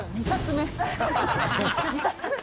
２冊目？